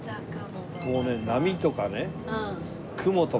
もうね波とかね雲とか。